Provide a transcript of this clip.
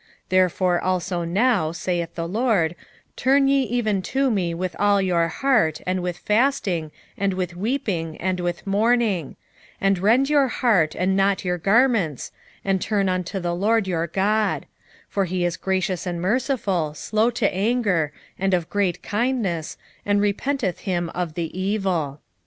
2:12 Therefore also now, saith the LORD, turn ye even to me with all your heart, and with fasting, and with weeping, and with mourning: 2:13 And rend your heart, and not your garments, and turn unto the LORD your God: for he is gracious and merciful, slow to anger, and of great kindness, and repenteth him of the evil.